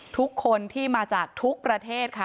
ทุกคนที่มาจากทุกประเทศค่ะ